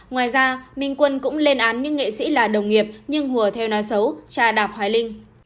ngoài ra minh quân cũng lên án những nghệ sĩ là đồng nghiệp nhưng hùa theo nói xấu cha đạp hoài linh